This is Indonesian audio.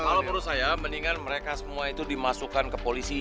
kalau menurut saya mendingan mereka semua itu dimasukkan ke polisi